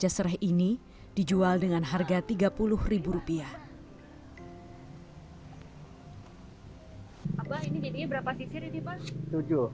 ada ada ada berat berat berat